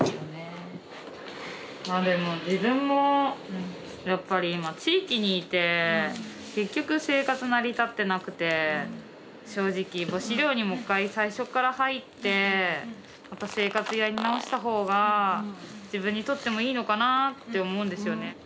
まあでも自分もやっぱり今地域にいて結局生活成り立ってなくて正直母子寮にもう一回最初から入ってまた生活やり直した方が自分にとってもいいのかなあって思うんですよね。